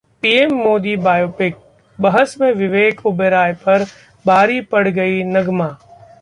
PM Modi biopic: बहस में विवेक ओबराय पर भारी पड़ गईं नगमा